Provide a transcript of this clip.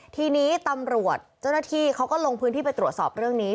ทีนี้ตำรวจเจ้าหน้าที่เขาก็ลงพื้นที่ไปตรวจสอบเรื่องนี้